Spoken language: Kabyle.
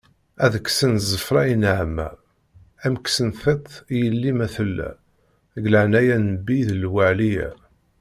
Ad kksen zzefra i nneɛma, ad kksen tiṭ i yelli ma tella, deg laɛnaya n nnbi d lawliya.